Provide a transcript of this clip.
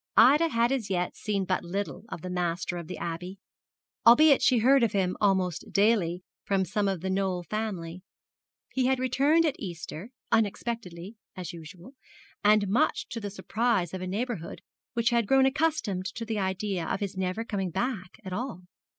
Ida had as yet seen but little of the master of the Abbey, albeit she heard of him almost daily from some of The Knoll family. He had returned at Easter, unexpectedly, as usual, and much to the surprise of a neighbourhood which had grown accustomed to the idea of his never coming back at all.